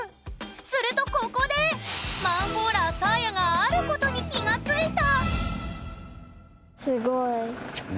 するとここでマンホーラーさあやがあることに気がついた！